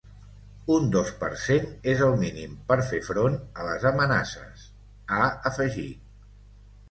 Un dos per cent és el mínim per fer front a les amenaces, ha afegit.